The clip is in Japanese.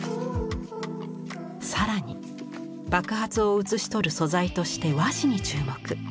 更に爆発を写し取る素材として和紙に注目。